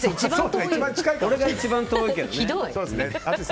俺が一番遠いけどね。